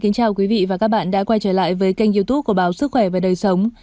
xin chào quý vị và các bạn đã quay trở lại với kênh youtube của báo sức khỏe và đời sống